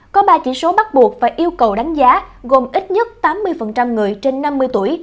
có ba chỉ số bắt buộc và yêu cầu đánh giá gồm ít nhất tám mươi người trên năm mươi tuổi